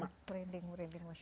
masya allah merinding